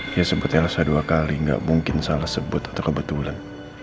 dia sebut elsa dua kali gak mungkin salah sebut atau kebetulan